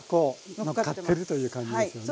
のっかってるという感じですよね。